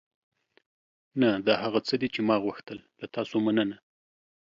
نه، دا هغه څه دي چې ما غوښتل. له تاسو مننه.